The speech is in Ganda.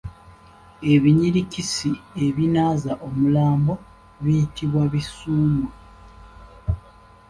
Ebinyirikisi ebinaaza omulambo babiyita Bisuumwa.